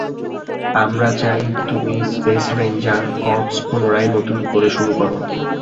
আমরা চাই, তুমি স্পেস রেঞ্জার কর্পস পুনরায় নতুন করে শুরু করো।